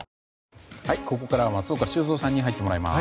ここからは松岡修造さんに入ってもらいます。